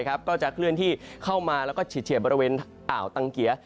ก็จะเคลื่อนที่เข้ามาแล้วก็เฉียดบริเวณอ่าวตังเกีย